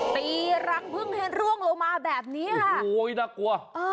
ตีรักพึ่งเห็นร่วงลงมาแบบนี้โอ้โหน่ากลัว